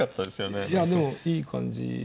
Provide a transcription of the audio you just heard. いやでもいい感じ。